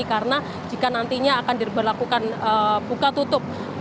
karena jika nantinya akan berlakukan buka tutup